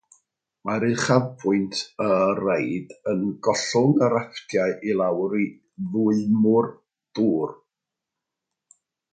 Mae uchafbwynt y reid yn gollwng y rafftiau i lawr i dwymwr dŵr.